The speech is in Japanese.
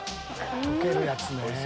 溶けるやつね。